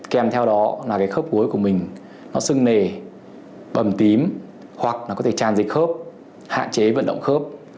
kèm theo đó là cái khớp gối của mình nó sưng nề bầm tím hoặc là có thể tràn dịch khớp hạn chế vận động khớp